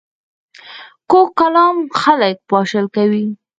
کوږ کلام خلک پاشل کوي